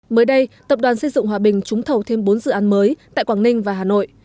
mới đây tập đoàn xây dựng hòa bình trúng thầu thêm bốn dự án mới tại quảng ninh và hà nội